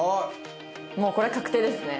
もうこれは確定ですね。